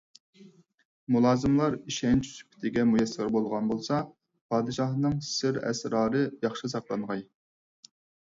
مۇلازىملار ئىشەنچ سۈپىتىگە مۇيەسسەر بولغان بولسا، پادىشاھنىڭ سىر - ئەسرارى ياخشى ساقلانغاي.